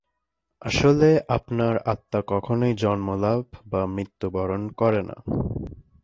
আসলে, আপনার আত্মা কখনই জন্মলাভ বা মৃত্যুবরণ করে না।